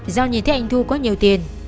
do nhìn thấy anh thu có nhiều tiền